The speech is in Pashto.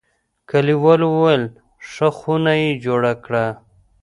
کلیوالو ویل: ښه خونه یې جوړه کړه.